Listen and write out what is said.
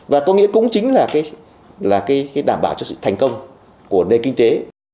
và có nghĩa cũng chính là cái đảm bảo cho sự thành công của nơi kinh tế